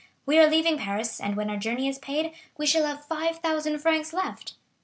We are leaving Paris, and when our journey is paid, we shall have 5,000 francs left."